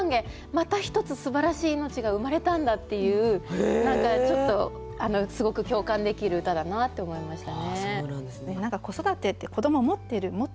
また一つすばらしい命が生まれたんだっていう何かすごく共感できる歌だなって思いましたね。